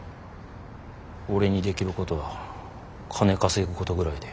俺にできることは金稼ぐことぐらいで。